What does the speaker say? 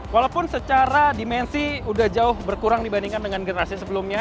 walaupun secara dimensi sudah jauh berkurang dibandingkan dengan generasi sebelumnya